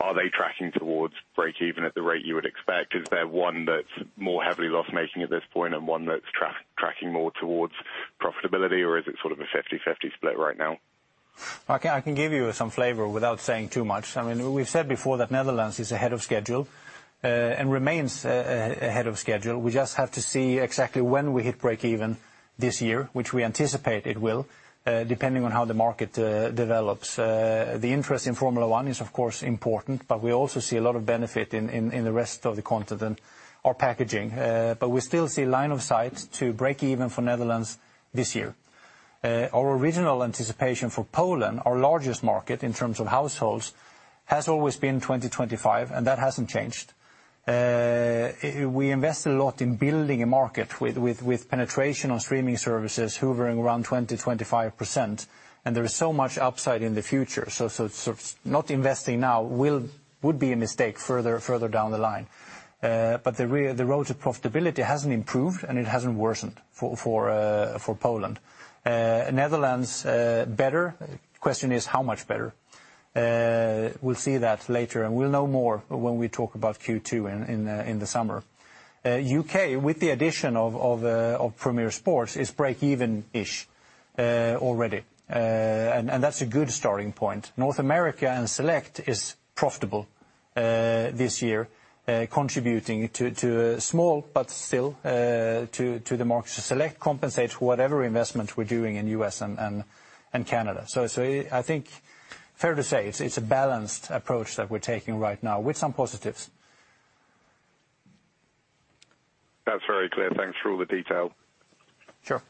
Are they tracking towards break even at the rate you would expect? Is there one that's more heavily loss-making at this point and one that's tracking more towards profitability, or is it sort of a 50/50 split right now? I can give you some flavor without saying too much. I mean, we've said before that Netherlands is ahead of schedule and remains ahead of schedule. We just have to see exactly when we hit break even this year, which we anticipate it will, depending on how the market develops. The interest in Formula One is of course important, but we also see a lot of benefit in the rest of the continent, our packaging. But we still see line of sight to break even for Netherlands this year. Our original anticipation for Poland, our largest market in terms of households, has always been 2025, and that hasn't changed. We invest a lot in building a market with penetration on streaming services hovering around 20%-25%. There is so much upside in the future, so sort of not investing now would be a mistake further down the line. The road to profitability hasn't improved, and it hasn't worsened for Poland. Netherlands, better. Question is how much better? We'll see that later, and we'll know more when we talk about Q2 in the summer. U.K., with the addition of Premier Sports, is break-even-ish already, and that's a good starting point. North America and Select is profitable this year, contributing to a small but still to the market. Select compensates whatever investment we're doing in U.S. and Canada. I think fair to say it's a balanced approach that we're taking right now with some positives. That's very clear. Thanks for all the detail. Sure.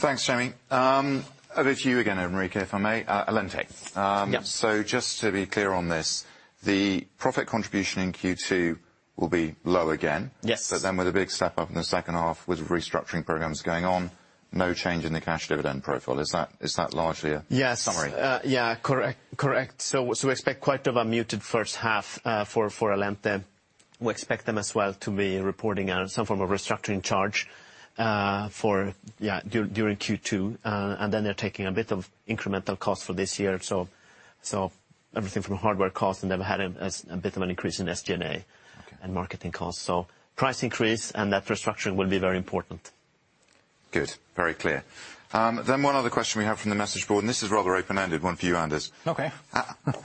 Thanks, Jamie. Over to you again, Enrique, if I may, Allente. Yeah. Just to be clear on this, the profit contribution in Q2 will be low again. Yes. With a big step-up in the second half with restructuring programs going on, no change in the cash dividend profile. Is that largely... Yes. summary? Yeah, correct. Correct. We expect quite of a muted first half for Allente. We expect them as well to be reporting some form of restructuring charge for, yeah, during Q2, and then they're taking a bit of incremental cost for this year. Everything from hardware costs, and they've had a bit of an increase in SG&A. and marketing costs. Price increase and that restructuring will be very important. Good. Very clear. One other question we have from the message board, and this is rather open-ended, one for you, Anders. Okay.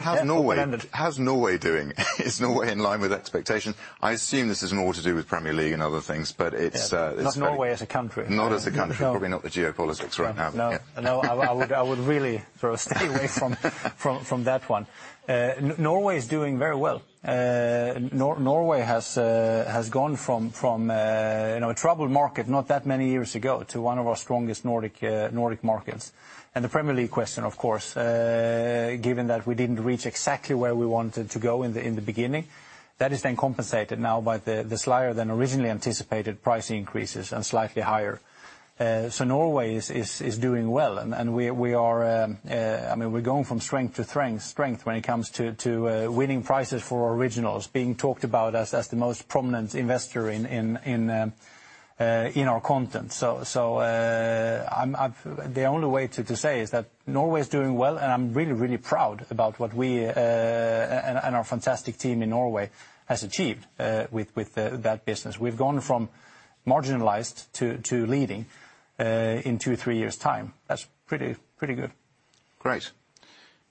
Open-ended. How's Norway doing? Is Norway in line with expectation? I assume this is more to do with Premier League and other things, but it's. Not Norway as a country. Not as a country. No. Probably not the geopolitics right now. No. I would really sort of stay away from that one. Norway is doing very well. Norway has gone from, you know, a troubled market not that many years ago to one of our strongest Nordic markets. The Premier League question, of course, given that we didn't reach exactly where we wanted to go in the beginning, that is then compensated now by the slower than originally anticipated price increases and slightly higher. Norway is doing well, and we are, I mean, we're going from strength to strength when it comes to winning prizes for originals, being talked about as the most prominent investor in our content. The only way to say is that Norway is doing well. I'm really proud about what we and our fantastic team in Norway has achieved with that business. We've gone from marginalized to leading in two, three years' time. That's pretty good. Great.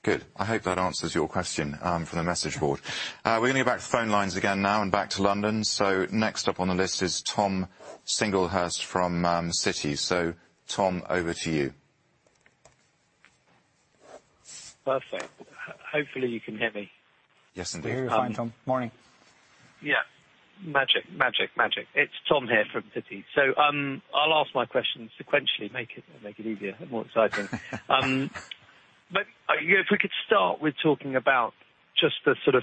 Good. I hope that answers your question, from the message board. We're gonna go back to phone lines again now and back to London. Next up on the list is Thomas Singlehurst from, Citi. Tom, over to you. Perfect. Hopefully you can hear me. Yes, indeed. We hear you fine, Tom. Morning. Yeah. Magic. Magic. Magic. It's Tom here from Citi. I'll ask my question sequentially, make it easier and more exciting. You know, if we could start with talking about just the sort of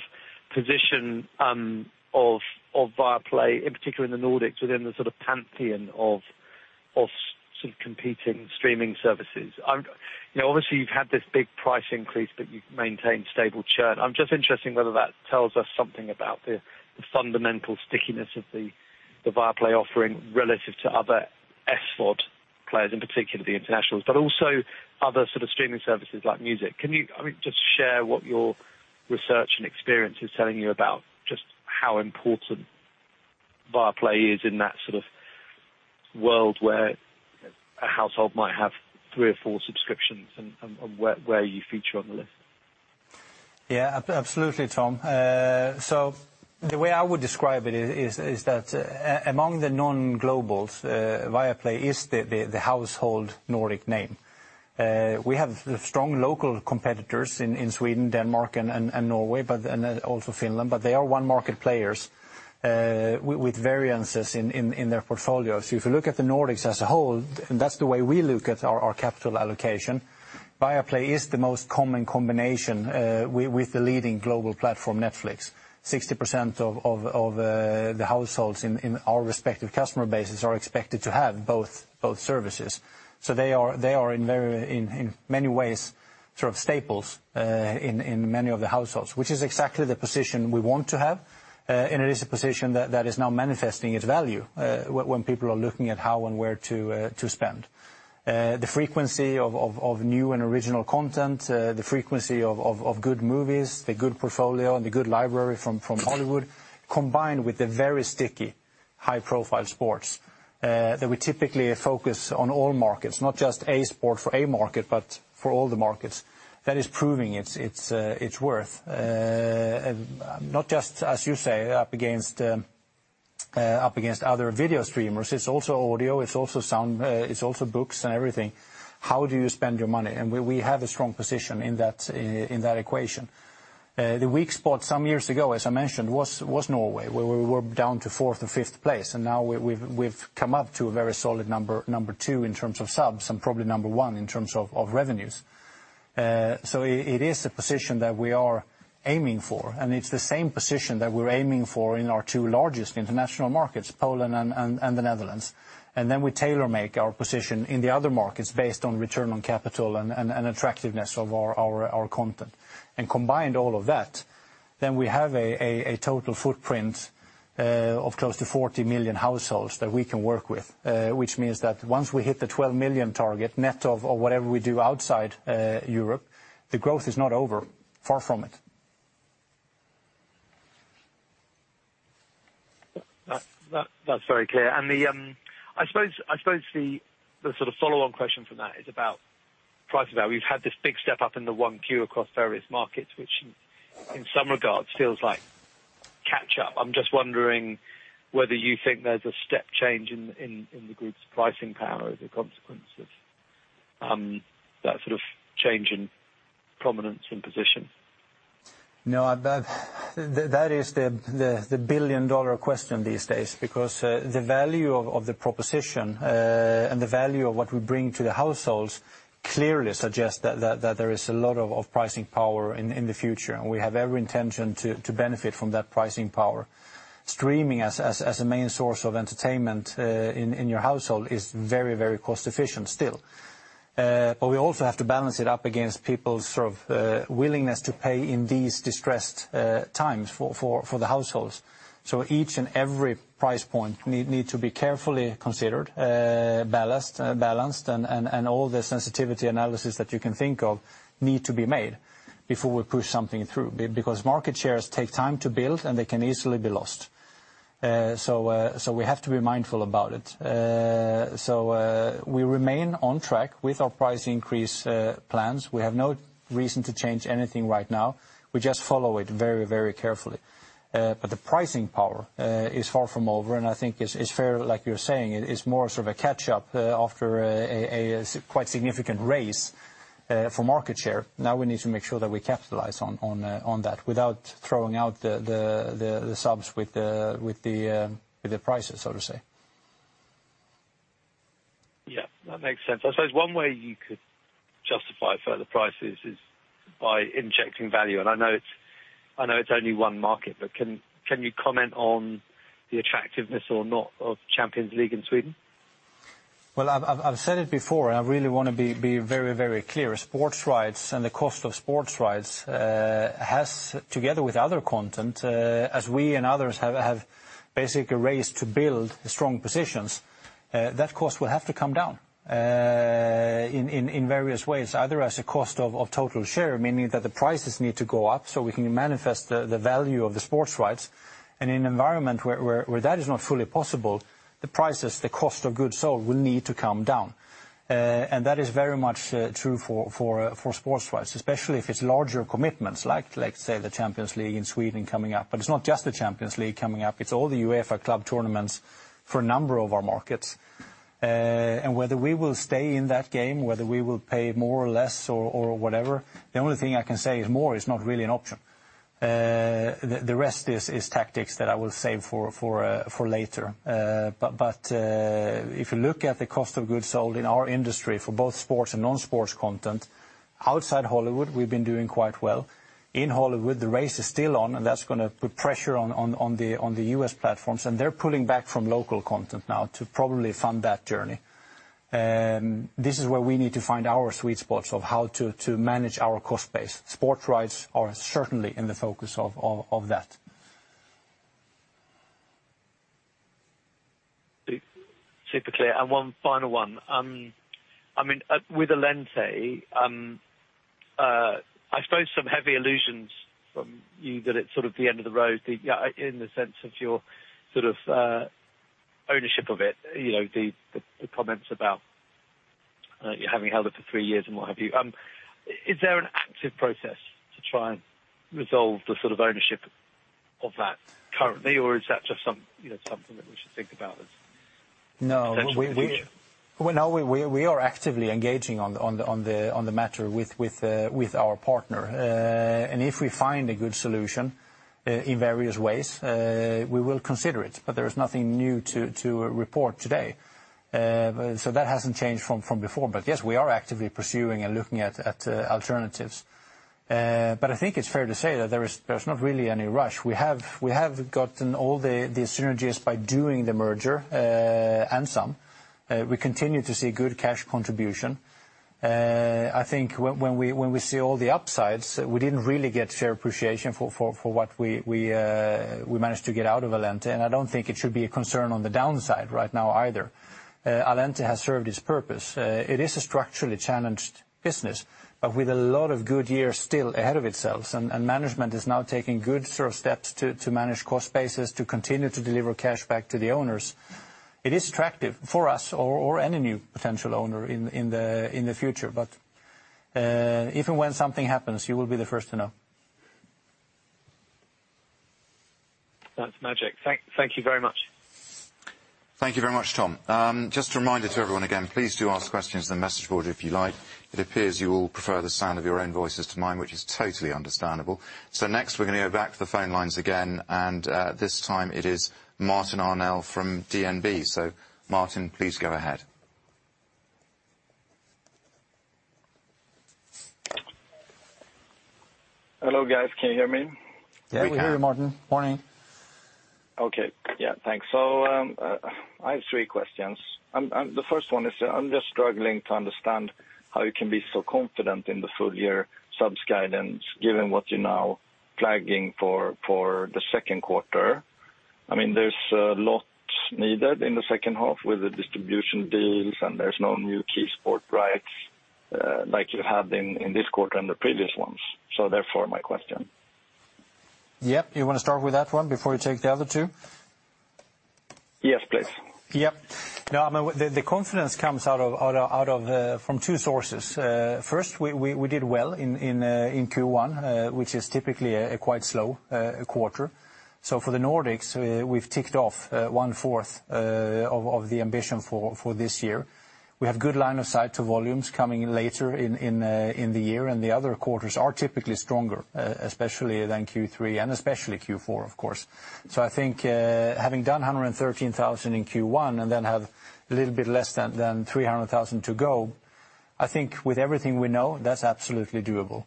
position of Viaplay, in particular in the Nordics, within the sort of pantheon of competing streaming services. You know, obviously you've had this big price increase, but you've maintained stable churn. I'm just interested in whether that tells us something about the fundamental stickiness of the Viaplay offering relative to other SVOD players, in particular the internationals, but also other sort of streaming services like music. Can you, I mean, just share what your research and experience is telling you about just how important Viaplay is in that sort of world where a household might have three or four subscriptions and where you feature on the list? Yeah. Absolutely, Tom. The way I would describe it is that among the non-globals, Viaplay is the household Nordic name. We have strong local competitors in Sweden, Denmark, and Norway, and also Finland, but they are one-market players with variances in their portfolios. If you look at the Nordics as a whole, and that's the way we look at our capital allocation, Viaplay is the most common combination with the leading global platform, Netflix. 60% of the households in our respective customer bases are expected to have both services. They are in very many ways, sort of staples in many of the households, which is exactly the position we want to have. It is a position that is now manifesting its value when people are looking at how and where to spend. The frequency of new and original content, the frequency of good movies, the good portfolio and the good library from Hollywood, combined with the very sticky high-profile sports that we typically focus on all markets, not just a sport for a market, but for all the markets. That is proving its worth. Not just, as you say, up against other video streamers. It's also audio, it's also sound, it's also books and everything. How do you spend your money? We have a strong position in that equation. The weak spot some years ago, as I mentioned, was Norway, where we were down to fourth or fifth place, and now we've come up to a very solid number two in terms of subs, and probably number one in terms of revenues. It is a position that we are aiming for, and it's the same position that we're aiming for in our two largest international markets, Poland and the Netherlands. Then we tailor-make our position in the other markets based on return on capital and attractiveness of our content. Combined all of that, we have a total footprint of close to 40 million households that we can work with, which means that once we hit the 12 million target net of whatever we do outside Europe, the growth is not over. Far from it. That's very clear. I suppose the sort of follow-on question from that is about price of that. We've had this big step-up in the Q1 across various markets, which in some regards feels like catch-up. I'm just wondering whether you think there's a step change in the group's pricing power as a consequence of that sort of change in prominence and position. No, that is the billion-dollar question these days, because, the value of the proposition, and the value of what we bring to the households clearly suggests that there is a lot of pricing power in the future, and we have every intention to benefit from that pricing power. Streaming as a main source of entertainment, in your household is very cost efficient still. But we also have to balance it up against people's sort of willingness to pay in these distressed times for the households. Each and every price point need to be carefully considered, balanced, and all the sensitivity analysis that you can think of need to be made before we push something through. Because market shares take time to build, and they can easily be lost. We have to be mindful about it. We remain on track with our price increase plans. We have no reason to change anything right now. We just follow it very, very carefully. The pricing power is far from over, and I think it's fair, like you're saying, it is more sort of a catch-up after a quite significant race for market share. Now we need to make sure that we capitalize on that without throwing out the subs with the prices, so to say. Yeah, that makes sense. I suppose one way you could justify further prices is by injecting value. I know it's only one market, but can you comment on the attractiveness or not of Champions League in Sweden? Well, I've said it before, I really wanna be very, very clear. Sports rights and the cost of sports rights has together with other content, as we and others have basically raised to build strong positions, that cost will have to come down in various ways, either as a cost of total share, meaning that the prices need to go up so we can manifest the value of the sports rights. In an environment where that is not fully possible, the prices, the cost of goods sold will need to come down. That is very much true for sports rights, especially if it's larger commitments like, say, the Champions League in Sweden coming up. It's not just the Champions League coming up, it's all the UEFA Club Tournaments for a number of our markets. Whether we will stay in that game, whether we will pay more or less or whatever, the only thing I can say is more is not really an option. The rest is tactics that I will save for later. If you look at the cost of goods sold in our industry for both sports and non-sports content, outside Hollywood, we've been doing quite well. In Hollywood, the race is still on, and that's gonna put pressure on the U.S. platforms, and they're pulling back from local content now to probably fund that journey. This is where we need to find our sweet spots of how to manage our cost base. Sports rights are certainly in the focus of that. Super clear. One final one. I mean, with Allente, I suppose some heavy allusions from you that it's sort of the end of the road, the in the sense of your sort of ownership of it, you know, the comments about you having held it for three years and what have you. Is there an active process to try and resolve the sort of ownership of that currently? Or is that just some, you know, something that we should think about? No. We are actively engaging on the matter with our partner. If we find a good solution, in various ways, we will consider it. There is nothing new to report today. That hasn't changed from before. Yes, we are actively pursuing and looking at alternatives. I think it's fair to say that there's not really any rush. We have gotten all the synergies by doing the merger and some. We continue to see good cash contribution. I think when we see all the upsides, we didn't really get share appreciation for what we managed to get out of Allente, I don't think it should be a concern on the downside right now either. Allente has served its purpose. It is a structurally challenged business, but with a lot of good years still ahead of itself. Management is now taking good sort of steps to manage cost bases to continue to deliver cash back to the owners. It is attractive for us or any new potential owner in the future. If and when something happens, you will be the first to know. That's magic. Thank you very much. Thank you very much, Tom. Just a reminder to everyone again, please do ask questions in the message board if you like. It appears you all prefer the sound of your own voices to mine, which is totally understandable. Next, we're gonna go back to the phone lines again, and this time it is Martin Arnell from DNB. Martin, please go ahead. Hello, guys. Can you hear me? Yeah, we can. We hear you, Martin. Morning. Okay. Yeah, thanks. I have three questions. The first one is, I'm just struggling to understand how you can be so confident in the full year subs guidance given what you're now flagging for the second quarter. I mean, there's a lot needed in the second half with the distribution deals, and there's no new key sport rights, like you had in this quarter and the previous ones. Therefore my question. Yep. You wanna start with that one before you take the other two? Yes, please. Yep. No, I mean, the confidence comes out of two sources. First, we did well in Q1, which is typically a quite slow quarter. For the Nordics, we've ticked off one-fourth of the ambition for this year. We have good line of sight to volumes coming later in the year, the other quarters are typically stronger, especially than Q3 and especially Q4, of course. I think, having done 113,000 in Q1 and then have a little bit less than 300,000 to go. I think with everything we know, that's absolutely doable.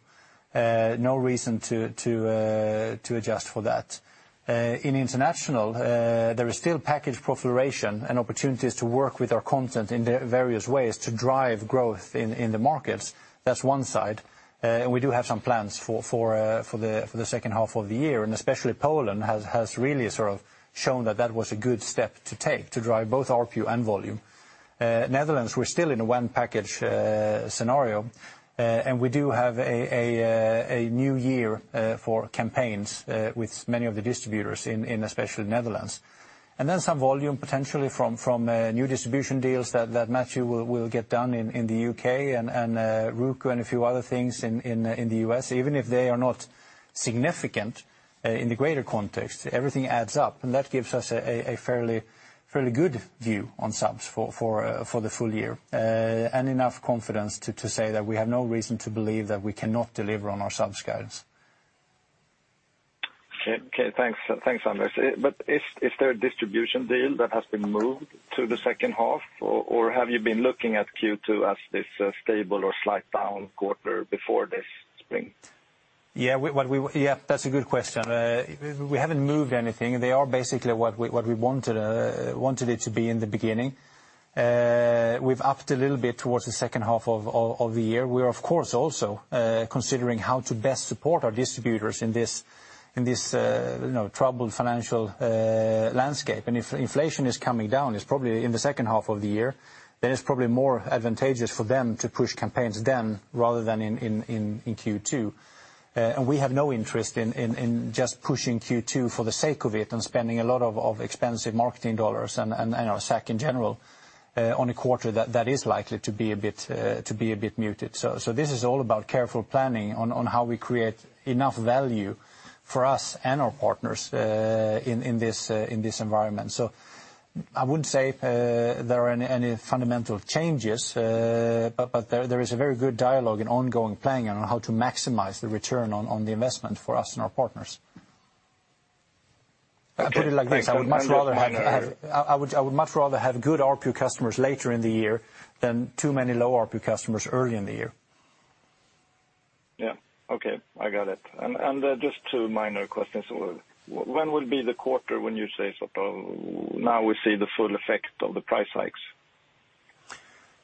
No reason to adjust for that. In International, there is still package proliferation and opportunities to work with our content in various ways to drive growth in the markets. That's one side. We do have some plans for the second half of the year, and especially Poland has really sort of shown that that was a good step to take to drive both ARPU and volume. Netherlands, we're still in a one package scenario, and we do have a new year for campaigns with many of the distributors in especially Netherlands. Some volume potentially from new distribution deals that Matthew will get done in the U.K. and Roku and a few other things in the U.S. Even if they are not significant, in the greater context, everything adds up, and that gives us a fairly good view on subs for the full year, and enough confidence to say that we have no reason to believe that we cannot deliver on our subs guidance. Okay. Okay, thanks. Thanks, Anders. Is there a distribution deal that has been moved to the second half, or have you been looking at Q2 as this stable or slight down quarter before this spring? Yeah. Well, that's a good question. We haven't moved anything. They are basically what we wanted it to be in the beginning. We've upped a little bit towards the second half of the year. We're of course also considering how to best support our distributors in this, you know, troubled financial landscape. If inflation is coming down, it's probably in the second half of the year, it's probably more advantageous for them to push campaigns then rather than in Q2. We have no interest in just pushing Q2 for the sake of it and spending a lot of expensive marketing dollars and our SAC in general on a quarter that is likely to be a bit muted. This is all about careful planning on how we create enough value for us and our partners in this environment. I wouldn't say there are any fundamental changes. There is a very good dialogue and ongoing planning on how to maximize the return on the investment for us and our partners. Thanks. I'll put it like this. Anders. I would much rather have good ARPU customers later in the year than too many low ARPU customers early in the year. Yeah. Okay. I got it. Just two minor questions. When will be the quarter when you say sort of now we see the full effect of the price hikes?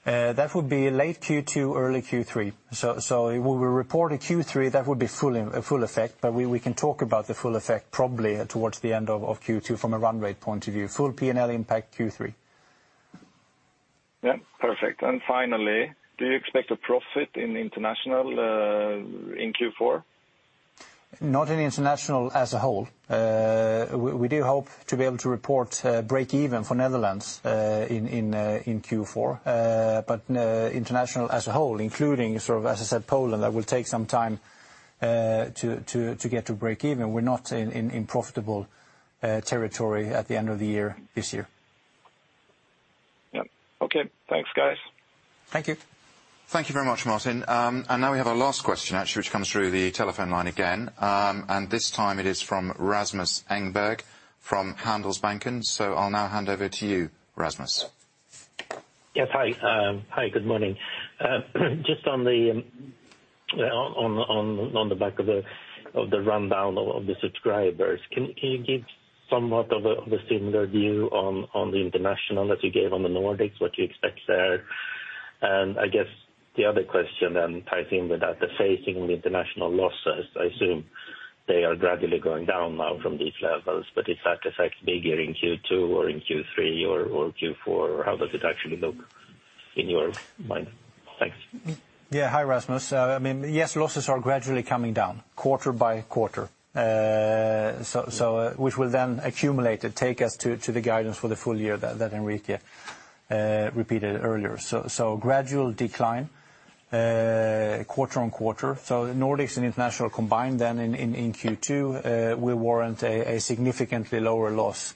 That would be late Q2, early Q3. We will report a Q3 that would be full effect, but we can talk about the full effect probably towards the end of Q2 from a run rate point of view. Full P&L impact Q3. Yeah. Perfect. Finally, do you expect a profit in international in Q4? Not in international as a whole. We do hope to be able to report break even for Netherlands in Q4. International as a whole, including sort of, as I said, Poland, that will take some time to get to break even. We're not in profitable territory at the end of the year this year. Yeah. Okay. Thanks, guys. Thank you. Thank you very much, Martin. Now we have our last question actually, which comes through the telephone line again. This time it is from Rasmus Engberg from Handelsbanken. I'll now hand over to you, Rasmus. Yes. Hi. Hi, good morning. Just on the back of the rundown of the subscribers, can you give somewhat of a similar view on the international that you gave on the Nordics, what you expect there? And I guess the other question then tying in with that, facing the international losses, I assume they are gradually going down now from these levels, but is that effect bigger in Q2 or in Q3 or Q4? Or how does it actually look in your mind? Thanks. Yeah. Hi, Rasmus. I mean, yes, losses are gradually coming down quarter by quarter. Which will then accumulate and take us to the guidance for the full year Enrique repeated earlier. Gradual decline quarter on quarter. Nordics and international combined then in Q2 will warrant a significantly lower loss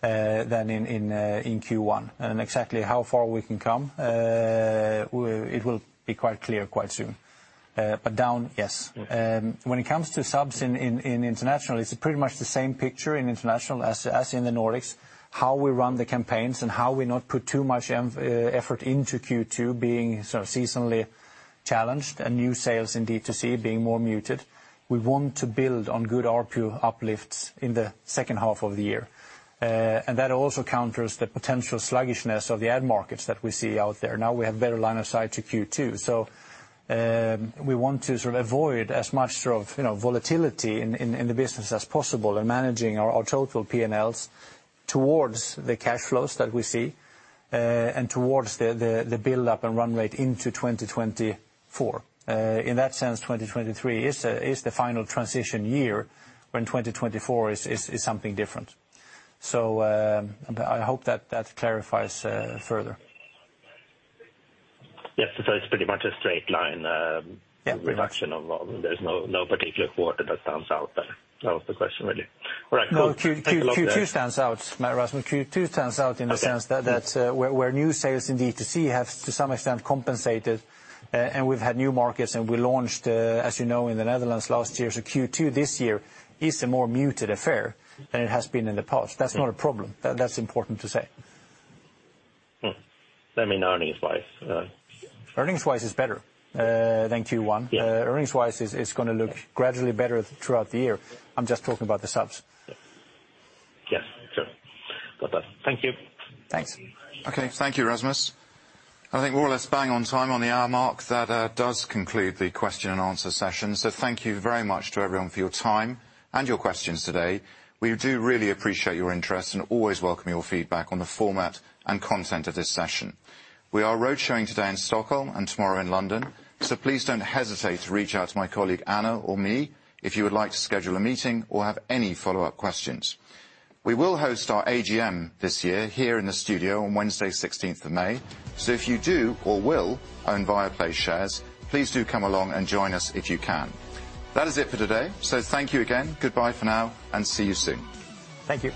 than in Q1. Exactly how far we can come, it will be quite clear quite soon. But down, yes. Okay. When it comes to subs in international, it's pretty much the same picture in international as in the Nordics, how we run the campaigns and how we not put too much effort into Q2 being sort of seasonally challenged and new sales in D2C being more muted. We want to build on good ARPU uplifts in the second half of the year. That also counters the potential sluggishness of the ad markets that we see out there. Now we have better line of sight to Q2. We want to sort of avoid as much sort of, you know, volatility in the business as possible and managing our total P&Ls towards the cash flows that we see and towards the buildup and run rate into 2024. In that sense, 2023 is the final transition year, when 2024 is something different. I hope that that clarifies, further. Yes. It's pretty much a straight line. Yeah. There's no particular quarter that stands out there. That was the question, really. All right. Cool. No. Thanks a lot. Q2 stands out, Rasmus. Q2 stands out in the sense that. Okay. That, where new sales in D2C have to some extent compensated, and we've had new markets, and we launched, as you know, in the Netherlands last year. Q2 this year is a more muted affair than it has been in the past. That's not a problem. That's important to say. I mean earnings-wise. Earnings-wise is better than Q1. Yeah. Earnings-wise is gonna look gradually better throughout the year. I'm just talking about the subs. Yes. Sure. Got that. Thank you. Thanks. Okay. Thank you, Rasmus. I think we're all less bang on time on the hour mark. That does conclude the question and answer session. Thank you very much to everyone for your time and your questions today. We do really appreciate your interest and always welcome your feedback on the format and content of this session. We are roadshow today in Stockholm and tomorrow in London. Please don't hesitate to reach out to my colleague, Anna, or me if you would like to schedule a meeting or have any follow-up questions. We will host our AGM this year here in the studio on Wednesday, 16th of May. If you do or will own Viaplay shares, please do come along and join us if you can. That is it for today. Thank you again. Goodbye for now, and see you soon. Thank you.